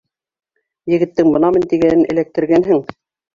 Егеттең бынамын тигәнен эләктергәнһең!